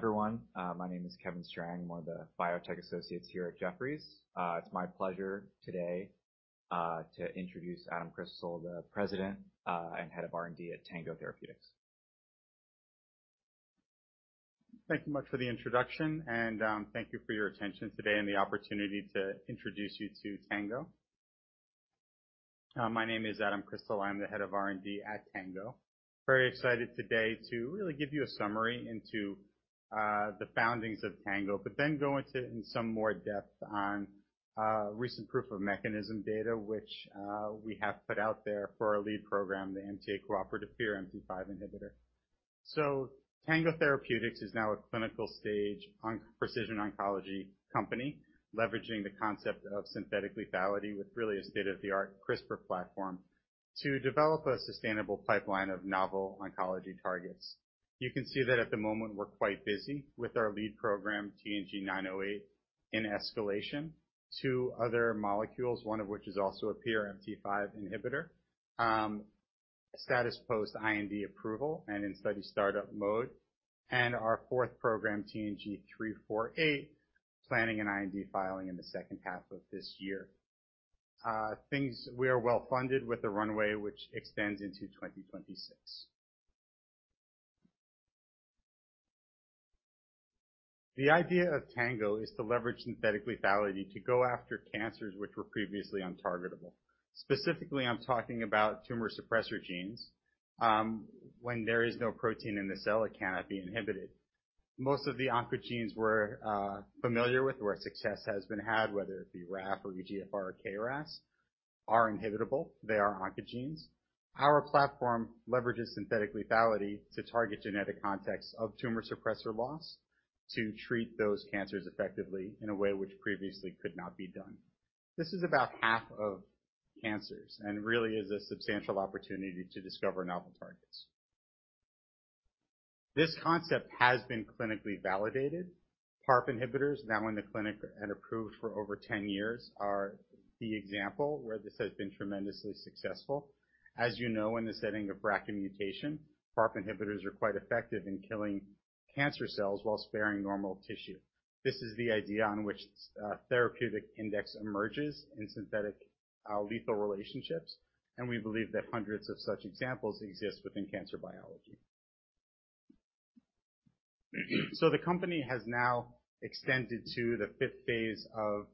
Everyone, my name is Kevin Strang. I'm one of the biotech associates here at Jefferies. It's my pleasure today to introduce Adam Crystal, the President and Head of R&D at Tango Therapeutics. Thank you much for the introduction. Thank you for your attention today and the opportunity to introduce you to Tango. My name is Adam Crystal. I'm the Head of R&D at Tango. Very excited today to really give you a summary into the foundings of Tango, go into in some more depth on recent proof of mechanism data, which we have put out there for our lead program, the MTA-cooperative PRMT5 inhibitor. Tango Therapeutics is now a clinical stage precision oncology company, leveraging the concept of synthetic lethality with really a state-of-the-art CRISPR platform to develop a sustainable pipeline of novel oncology targets. You can see that at the moment, we're quite busy with our lead program, TNG908, in escalation to other molecules, one of which is also a PRMT5 inhibitor. Status post IND approval and in study start-up mode. Our fourth program, TNG348, planning an IND filing in the H2 of this year. We are well funded with a runway which extends into 2026. The idea of Tango is to leverage synthetic lethality to go after cancers which were previously untargetable. Specifically, I'm talking about tumor suppressor genes. When there is no protein in the cell, it cannot be inhibited. Most of the oncogenes we're familiar with, where success has been had, whether it be RAF or EGFR or KRAS, are inhibitable. They are oncogenes. Our platform leverages synthetic lethality to target genetic contexts of tumor suppressor loss, to treat those cancers effectively in a way which previously could not be done. This is about half of cancers and really is a substantial opportunity to discover novel targets. This concept has been clinically validated. PARP inhibitors, now in the clinic and approved for over 10 years, are the example where this has been tremendously successful. As you know, in the setting of BRCA mutation, PARP inhibitors are quite effective in killing cancer cells while sparing normal tissue. This is the idea on which therapeutic index emerges in synthetic lethal relationships. We believe that hundreds of such examples exist within cancer biology. The company has now extended to the 5th phase of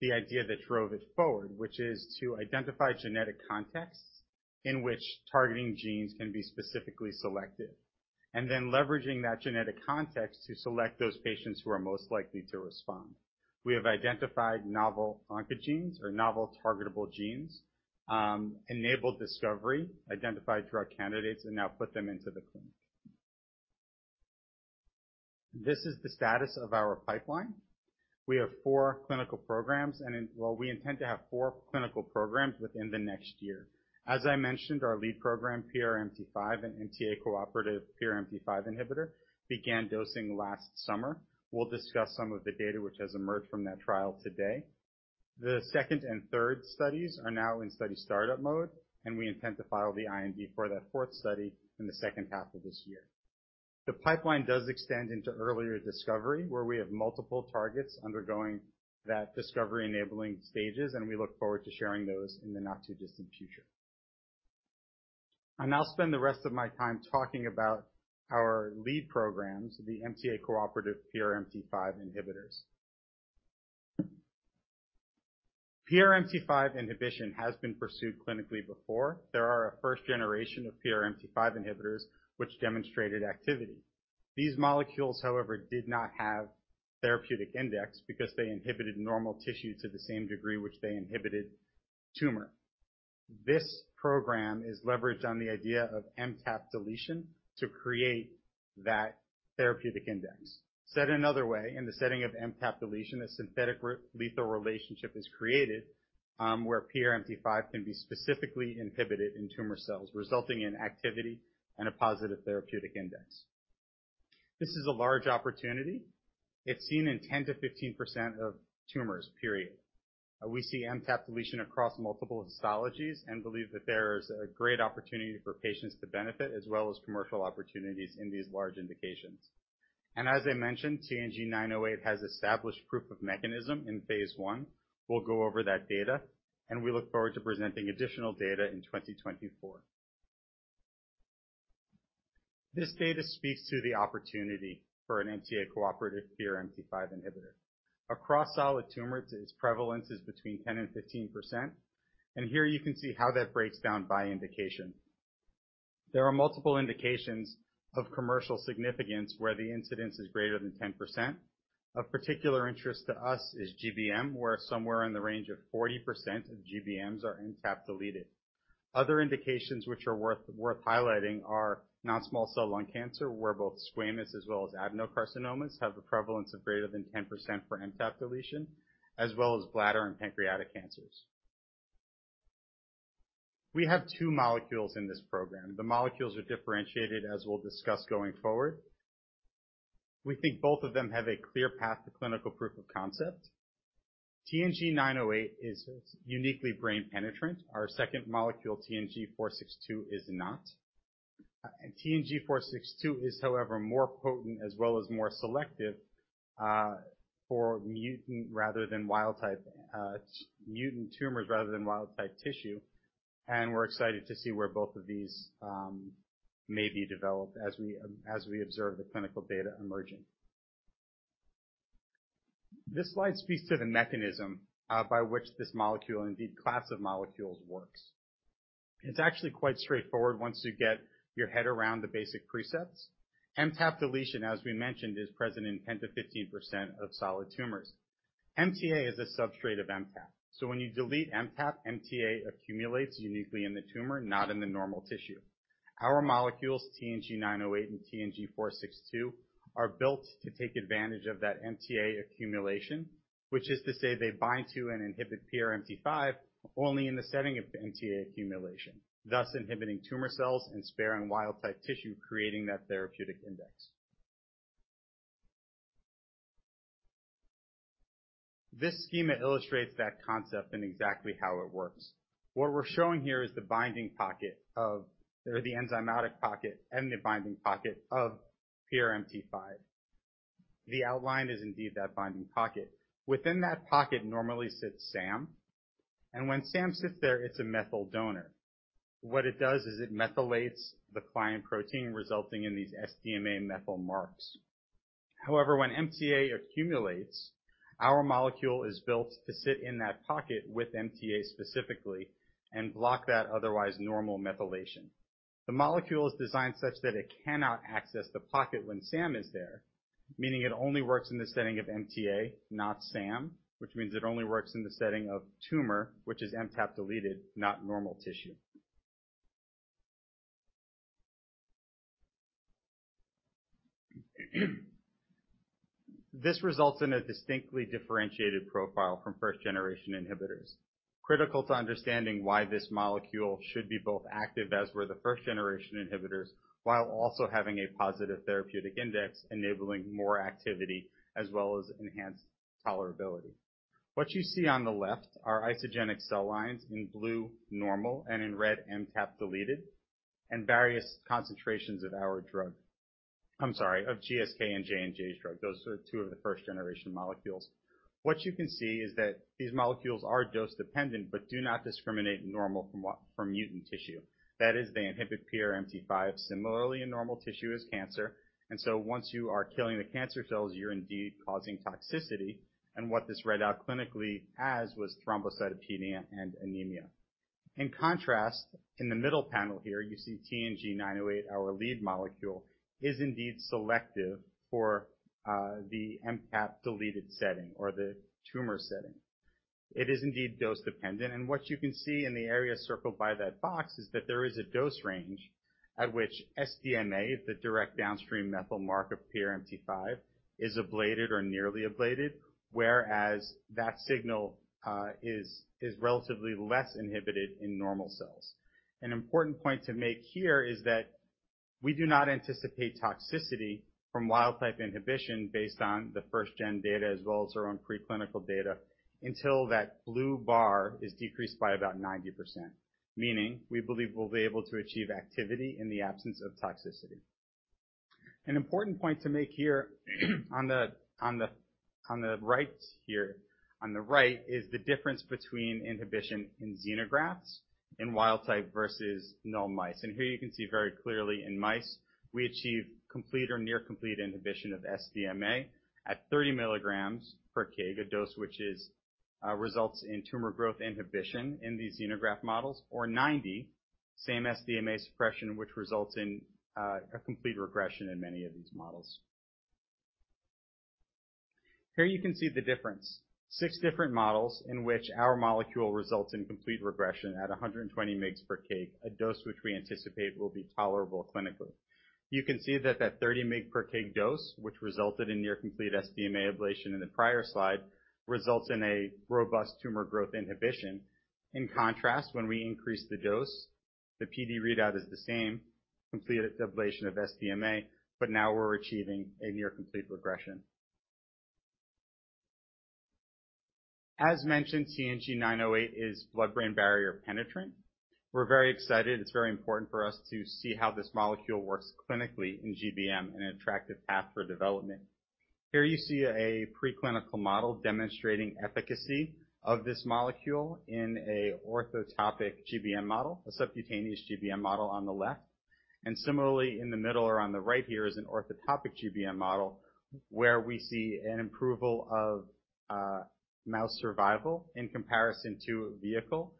the idea that drove it forward, which is to identify genetic contexts in which targeting genes can be specifically selected. Then leveraging that genetic context to select those patients who are most likely to respond. We have identified novel oncogenes or novel targetable genes, enabled discovery, identified drug candidates. Now put them into the clinic. This is the status of our pipeline. We have four clinical programs. Well, we intend to have four clinical programs within the next year. As I mentioned, our lead program, PRMT5, an MTA-cooperative PRMT5 inhibitor, began dosing last summer. We'll discuss some of the data which has emerged from that trial today. The second and third studies are now in study start-up mode, and we intend to file the IND for that fourth study in the H2 of this year. The pipeline does extend into earlier discovery, where we have multiple targets undergoing that discovery-enabling stages, and we look forward to sharing those in the not-too-distant future. I'll now spend the rest of my time talking about our lead programs, the MTA-cooperative PRMT5 inhibitors. PRMT5 inhibition has been pursued clinically before. There are a first generation of PRMT5 inhibitors which demonstrated activity. These molecules, however, did not have therapeutic index because they inhibited normal tissue to the same degree which they inhibited tumor. This program is leveraged on the idea of MTAP deletion to create that therapeutic index. Said another way, in the setting of MTAP deletion, a synthetic lethal relationship is created, where PRMT5 can be specifically inhibited in tumor cells, resulting in activity and a positive therapeutic index. This is a large opportunity. It's seen in 10%-15% of tumors, period. We see MTAP deletion across multiple histologies and believe that there is a great opportunity for patients to benefit, as well as commercial opportunities in these large indications. As I mentioned, TNG908 has established proof of mechanism in phase I. We'll go over that data, and we look forward to presenting additional data in 2024. This data speaks to the opportunity for an MTA-cooperative PRMT5 inhibitor. Across solid tumors, its prevalence is between 10% and 15%. Here you can see how that breaks down by indication. There are multiple indications of commercial significance where the incidence is greater than 10%. Of particular interest to us is GBM, where somewhere in the range of 40% of GBMs are MTAP deleted. Other indications which are worth highlighting are non-small cell lung cancer, where both squamous as well as adenocarcinomas have a prevalence of greater than 10% for MTAP deletion, as well as bladder and pancreatic cancers. We have two molecules in this program. The molecules are differentiated, as we'll discuss going forward. We think both of them have a clear path to clinical proof of concept. TNG908 is uniquely brain penetrant. Our second molecule, TNG462, is not. TNG462 is, however, more potent as well as more selective for mutant tumors rather than wild type tissue. We're excited to see where both of these may be developed as we observe the clinical data emerging. This slide speaks to the mechanism by which this molecule, indeed class of molecules, works. It's actually quite straightforward once you get your head around the basic precepts. MTAP deletion, as we mentioned, is present in 10%-15% of solid tumors. MTA is a substrate of MTAP, when you delete MTAP, MTA accumulates uniquely in the tumor, not in the normal tissue. Our molecules, TNG908 and TNG462, are built to take advantage of that MTA accumulation, which is to say, they bind to and inhibit PRMT5 only in the setting of the MTA accumulation, thus inhibiting tumor cells and sparing wild-type tissue, creating that therapeutic index. This schema illustrates that concept and exactly how it works. What we're showing here is the binding pocket or the enzymatic pocket and the binding pocket of PRMT5. The outline is indeed that binding pocket. Within that pocket normally sits SAM. When SAM sits there, it's a methyl donor. What it does is it methylates the client protein, resulting in these SDMA methyl marks. However, when MTA accumulates, our molecule is built to sit in that pocket with MTA specifically and block that otherwise normal methylation. The molecule is designed such that it cannot access the pocket when SAM is there, meaning it only works in the setting of MTA, not SAM, which means it only works in the setting of tumor, which is MTAP deleted, not normal tissue. This results in a distinctly differentiated profile from first-generation inhibitors, critical to understanding why this molecule should be both active, as were the first-generation inhibitors, while also having a positive therapeutic index, enabling more activity as well as enhanced tolerability. What you see on the left are isogenic cell lines in blue, normal, and in red, MTAP deleted, and various concentrations of our drug. Of GSK and J&J's drug. Those are two of the first-generation molecules. What you can see is that these molecules are dose-dependent but do not discriminate normal from mutant tissue. That is, they inhibit PRMT5 similarly in normal tissue as cancer, and so once you are killing the cancer cells, you're indeed causing toxicity, and what this read out clinically as was thrombocytopenia and anemia. In contrast, in the middle panel here, you see TNG908, our lead molecule, is indeed selective for the MTAP-deleted setting or the tumor setting. It is indeed dose-dependent, and what you can see in the area circled by that box is that there is a dose range at which SDMA, the direct downstream methyl mark of PRMT5, is ablated or nearly ablated, whereas that signal is relatively less inhibited in normal cells. An important point to make here is that we do not anticipate toxicity from wild type inhibition based on the first-gen data as well as our own preclinical data, until that blue bar is decreased by about 90%. Meaning, we believe we'll be able to achieve activity in the absence of toxicity. An important point to make here, on the right here. On the right, is the difference between inhibition in xenografts, in wild type versus null mice. Here you can see very clearly in mice, we achieve complete or near complete inhibition of SDMA at 30 milligrams per kg, a dose which is results in tumor growth inhibition in these xenograft models, or 90, same SDMA suppression, which results in a complete regression in many of these models. Here you can see the difference. Six different models in which our molecule results in complete regression at 120 mg/kg, a dose which we anticipate will be tolerable clinically. You can see that 30 mg/kg dose, which resulted in near complete SDMA ablation in the prior slide, results in a robust tumor growth inhibition. When we increase the dose, the PD readout is the same, completed ablation of SDMA, but now we're achieving a near complete regression. As mentioned, TNG908 is blood-brain barrier penetrant. We're very excited. It's very important for us to see how this molecule works clinically in GBM, an attractive path for development. Here you see a preclinical model demonstrating efficacy of this molecule in a orthotopic GBM model, a subcutaneous GBM model on the left, and similarly in the middle or on the right here, is an orthotopic GBM model, where we see an improvement of mouse survival in comparison to vehicle.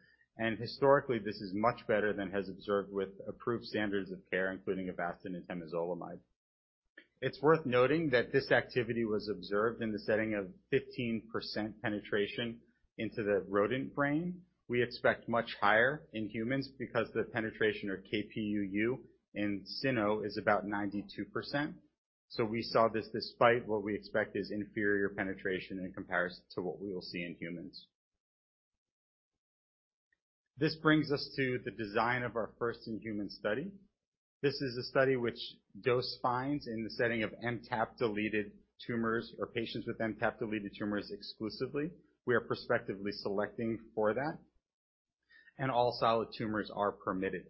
Historically, this is much better than has observed with approved standards of care, including Avastin and temozolomide. It's worth noting that this activity was observed in the setting of 15% penetration into the rodent brain. We expect much higher in humans because the penetration of Kp,uu in Sino is about 92%. We saw this despite what we expect is inferior penetration in comparison to what we will see in humans. This brings us to the design of our first-in-human study. This is a study which dose finds in the setting of MTAP-deleted tumors, or patients with MTAP-deleted tumors exclusively. We are prospectively selecting for that. All solid tumors are permitted.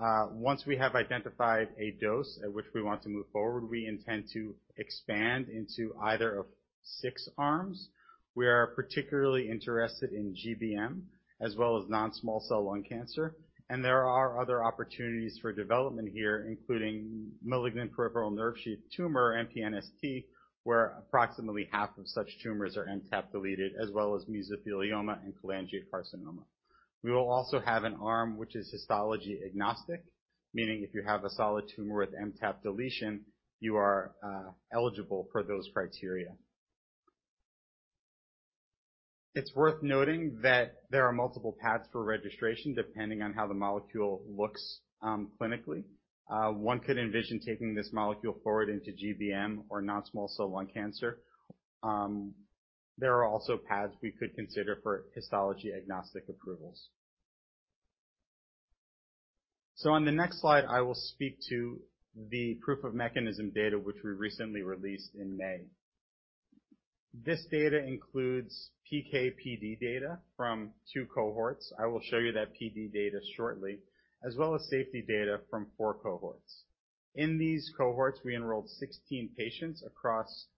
Once we have identified a dose at which we want to move forward, we intend to expand into either of 6 arms. We are particularly interested in GBM as well as non-small cell lung cancer. There are other opportunities for development here, including malignant peripheral nerve sheath tumor, MPNST, where approximately half of such tumors are MTAP-deleted, as well as mesothelioma and cholangiocarcinoma. We will also have an arm which is histology agnostic, meaning if you have a solid tumor with MTAP-deletion, you are eligible for those criteria. It's worth noting that there are multiple paths for registration, depending on how the molecule looks clinically. One could envision taking this molecule forward into GBM or non-small cell lung cancer. There are also paths we could consider for histology-agnostic approvals. On the next slide, I will speak to the proof of mechanism data, which we recently released in May. This data includes PK/PD data from two cohorts. I will show you that PD data shortly, as well as safety data from 4 cohorts. In these cohorts, we enrolled 16 patients across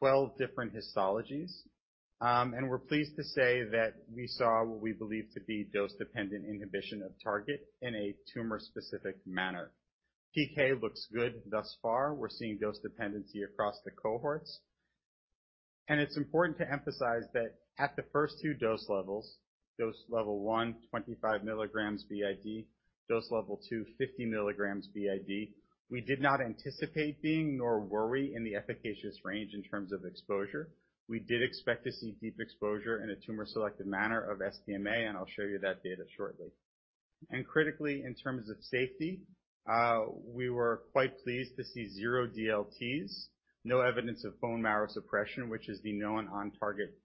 12 different histologies. And we're pleased to say that we saw what we believe to be dose-dependent inhibition of target in a tumor-specific manner. PK looks good thus far. We're seeing dose dependency across the cohorts. It's important to emphasize that at the first two dose levels, dose level one, 25mg BID, dose level two, 50mg BID, we did not anticipate being, nor were we, in the efficacious range in terms of exposure. We did expect to see deep exposure in a tumor-selective manner of SDMA, and I'll show you that data shortly. Critically, in terms of safety, we were quite pleased to see 0 DLTs, no evidence of bone marrow suppression, which is the known on-target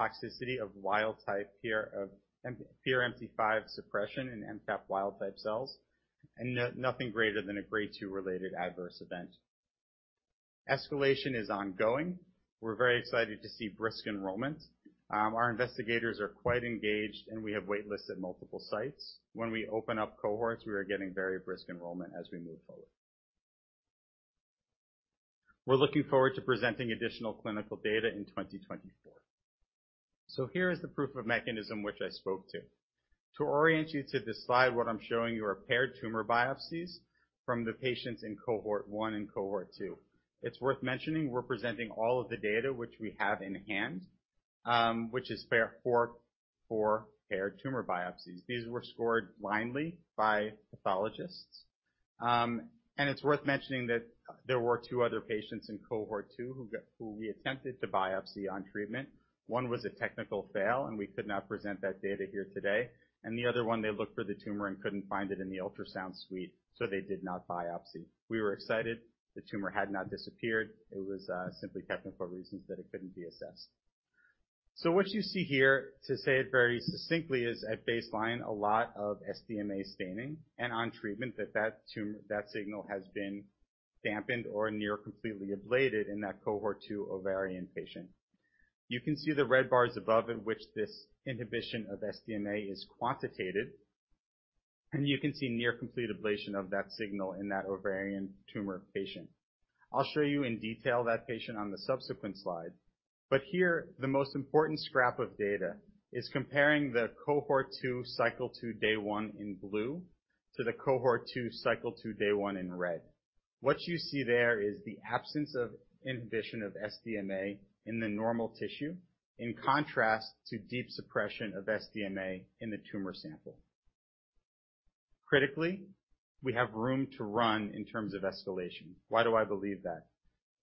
toxicity of wild-type PRMT5 suppression in MTAP wild-type cells, and nothing greater than a grade two-related adverse event. Escalation is ongoing. We're very excited to see brisk enrollment. Our investigators are quite engaged, and we have wait-listed multiple sites. When we open up cohorts, we are getting very brisk enrollment as we move forward. We're looking forward to presenting additional clinical data in 2024. Here is the proof of mechanism, which I spoke to. To orient you to this slide, what I'm showing you are paired tumor biopsies from the patients in cohort one and cohort two. It's worth mentioning, we're presenting all of the data which we have in hand, for paired tumor biopsies. These were scored blindly by pathologists. It's worth mentioning that there were two other patients in cohort two who we attempted to biopsy on treatment. One was a technical fail, we could not present that data here today, the other one, they looked for the tumor and couldn't find it in the ultrasound suite, they did not biopsy. We were excited. The tumor had not disappeared, it was simply technical reasons that it couldn't be assessed. What you see here, to say it very succinctly, is at baseline, a lot of SDMA staining and on treatment, that tumor, that signal has been dampened or near completely ablated in that cohort two ovarian patient. You can see the red bars above in which this inhibition of SDMA is quantitated, and you can see near-complete ablation of that signal in that ovarian tumor patient. I'll show you in detail that patient on the subsequent slide, here, the most important scrap of data is comparing the cohort two, cycle two, day one in blue to the cohort two, cycle two, day one in red. What you see there is the absence of inhibition of SDMA in the normal tissue, in contrast to deep suppression of SDMA in the tumor sample. Critically, we have room to run in terms of escalation. Why do I believe that?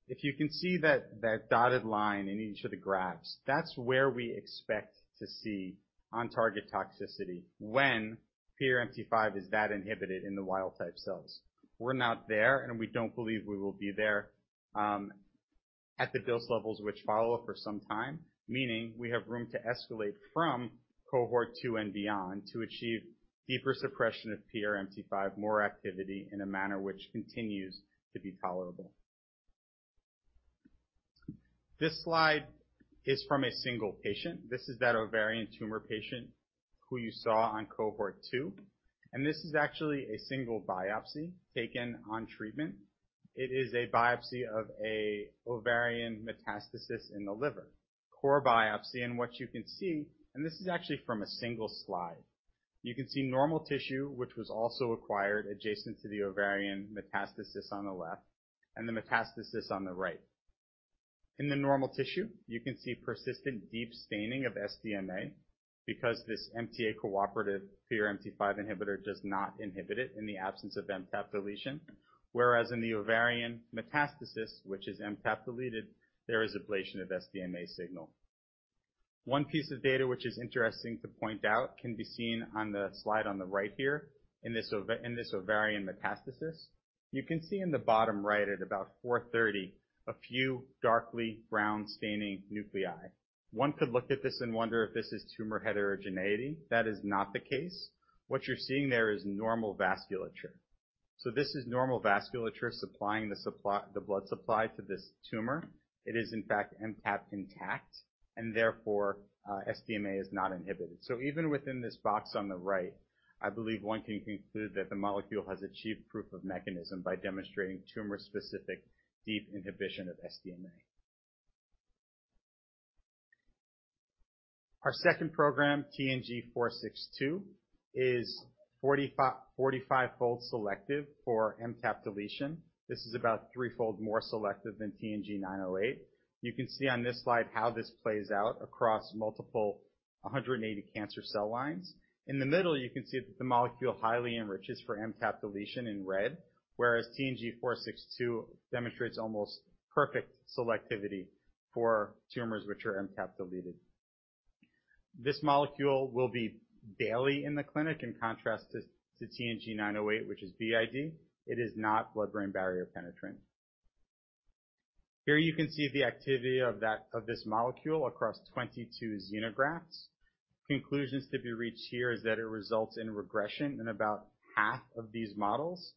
If you can see that dotted line in each of the graphs, that's where we expect to see on-target toxicity when PRMT5 is that inhibited in the wild-type cells. We're not there, and we don't believe we will be there at the dose levels which follow for some time, meaning we have room to escalate from cohort two and beyond to achieve deeper suppression of PRMT5, more activity in a manner which continues to be tolerable. This slide is from a single patient. This is that ovarian tumor patient who you saw on cohort two, and this is actually a single biopsy taken on treatment. It is a biopsy of an ovarian metastasis in the liver, core biopsy. What you can see, this is actually from a single slide. You can see normal tissue, which was also acquired adjacent to the ovarian metastasis on the left and the metastasis on the right. In the normal tissue, you can see persistent deep staining of SDMA because this MTA-cooperative PRMT5 inhibitor does not inhibit it in the absence of MTAP deletion, whereas in the ovarian metastasis, which is MTAP deleted, there is ablation of SDMA signal. One piece of data which is interesting to point out can be seen on the slide on the right here in this ovarian metastasis. You can see in the bottom right, at about 4:30, a few darkly brown staining nuclei. One could look at this and wonder if this is tumor heterogeneity. That is not the case. What you're seeing there is normal vasculature. This is normal vasculature supplying the blood supply to this tumor. It is, in fact, MTAP intact, and therefore, SDMA is not inhibited. Even within this box on the right, I believe one can conclude that the molecule has achieved proof of mechanism by demonstrating tumor-specific deep inhibition of SDMA. Our second program, TNG462, is 45-fold selective for MTAP deletion. This is about three-fold more selective than TNG908. You can see on this slide how this plays out across multiple, 180 cancer cell lines. In the middle, you can see that the molecule highly enriches for MTAP deletion in red, whereas TNG462 demonstrates almost perfect selectivity for tumors which are MTAP deleted. This molecule will be daily in the clinic, in contrast to TNG908, which is BID. It is not blood-brain barrier penetrant. Here you can see the activity of this molecule across 22 xenografts. Conclusions to be reached here is that it results in regression in about half of these models,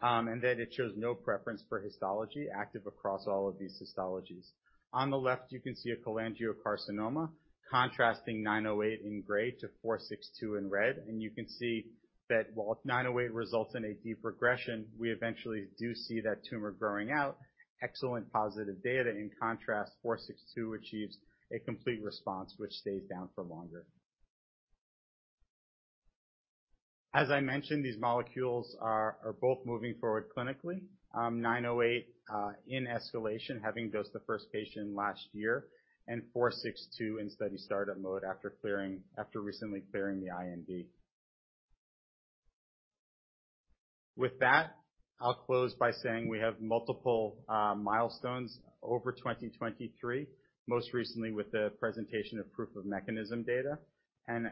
and that it shows no preference for histology, active across all of these histologies. On the left, you can see a cholangiocarcinoma contrasting 908 in gray to 462 in red. You can see that while 908 results in a deep regression, we eventually do see that tumor growing out. Excellent positive data. In contrast, 462 achieves a complete response, which stays down for longer. As I mentioned, these molecules are both moving forward clinically. TNG908 in escalation, having dosed the first patient last year, and TNG462 in study startup mode after recently clearing the IND. With that, I'll close by saying we have multiple milestones over 2023, most recently with the presentation of proof of mechanism data, and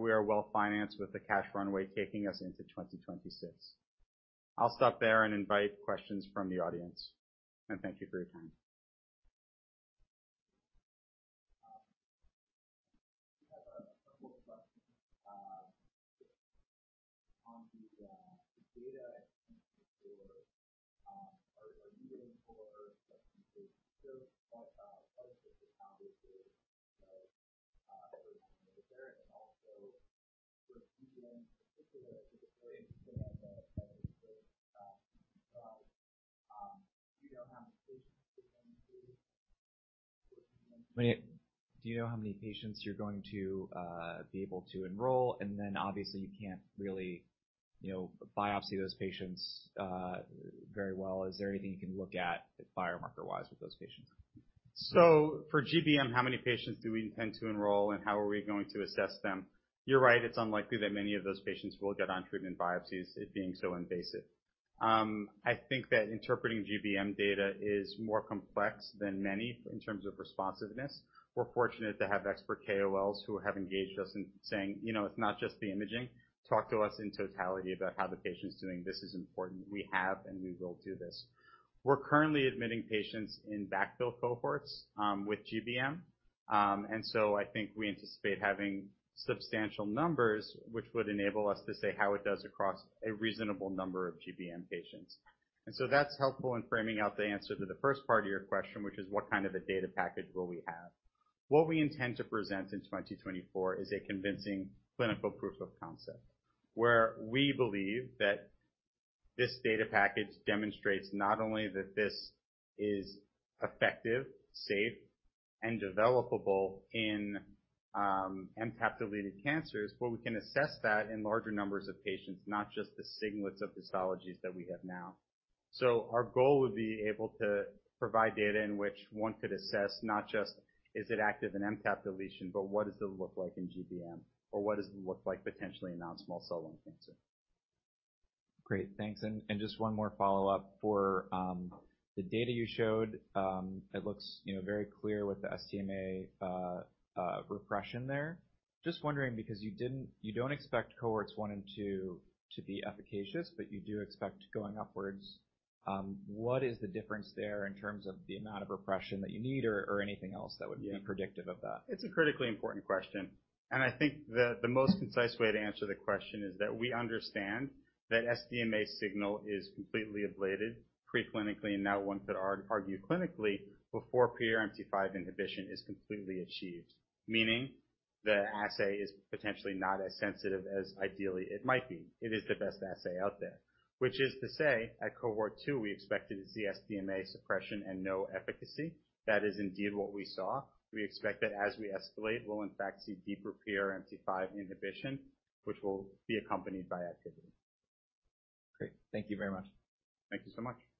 we are well-financed with the cash runway taking us into 2026. I'll stop there and invite questions from the audience, and thank you for your time. We have a couple questions, on the data and for, are you getting for, like, you said, but obviously, and also for GBM in particular, it's very interesting that the, you don't have the patients with GBM. I mean, do you know how many patients you're going to be able to enroll? And then obviously, you can't really, you know, biopsy those patients, very well. Is there anything you can look at biomarker-wise with those patients? For GBM, how many patients do we intend to enroll, and how are we going to assess them? You're right, it's unlikely that many of those patients will get on treatment biopsies, it being so invasive. I think that interpreting GBM data is more complex than many in terms of responsiveness. We're fortunate to have expert KOLs who have engaged us in saying, "You know, it's not just the imaging. Talk to us in totality about how the patient's doing. This is important." We have, and we will do this. We're currently admitting patients in backfill cohorts with GBM. I think we anticipate having substantial numbers, which would enable us to say how it does across a reasonable number of GBM patients. That's helpful in framing out the answer to the first part of your question, which is: What kind of a data package will we have? What we intend to present in 2024 is a convincing clinical proof of concept, where we believe that this data package demonstrates not only that this is effective, safe, and developable in MTAP-deleted cancers, but we can assess that in larger numbers of patients, not just the signets of histologies that we have now. Our goal would be able to provide data in which one could assess not just is it active in MTAP deletion, but what does it look like in GBM, or what does it look like potentially in non-small cell lung cancer? Great, thanks. Just one more follow-up for the data you showed. It looks, you know, very clear with the SDMA repression there. Just wondering, because you don't expect cohorts one and two to be efficacious, but you do expect going upwards. What is the difference there in terms of the amount of repression that you need or anything else that would be predictive of that? It's a critically important question, and I think the most concise way to answer the question is that we understand that SDMA signal is completely ablated preclinically, and now one could argue clinically, before PRMT5 inhibition is completely achieved. Meaning the assay is potentially not as sensitive as ideally it might be. It is the best assay out there. Which is to say, at cohort two, we expected to see SDMA suppression and no efficacy. That is indeed what we saw. We expect that as we escalate, we'll in fact see deeper PRMT5 inhibition, which will be accompanied by activity. Great. Thank you very much. Thank you so much.